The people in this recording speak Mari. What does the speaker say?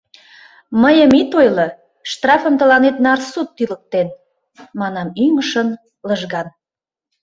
— Мыйым ит ойло, штрафым тыланет нарсуд тӱлыктен, — манам ӱҥышын, лыжган.